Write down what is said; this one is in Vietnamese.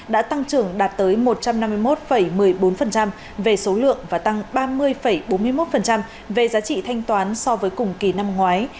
đã tăng trưởng đạt tới một trăm năm mươi một một mươi bốn về số lượng và tăng ba mươi bốn mươi một về giá trị thanh toán so với cùng kỳ năm ngoái